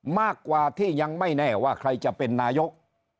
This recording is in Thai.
มากกว่าที่ยังไม่แน่ว่าใครจะเป็นนายก